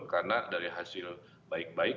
karena dari hasil baik baik